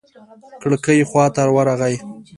کړکۍ خوا ته ورغى.